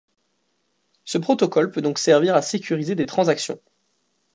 Ce protocole peut donc servir à sécuriser des transactions.